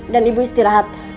dan ibu istirahat